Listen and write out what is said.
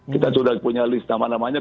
kita sudah punya list nama namanya